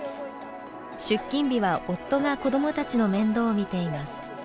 出勤日は夫が子どもたちの面倒を見ています。